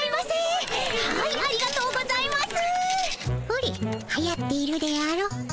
ほれはやっているであろ？